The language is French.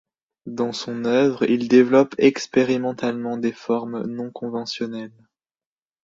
Dans son œuvre, il développe expérimentalement des formes non-conventionnelles.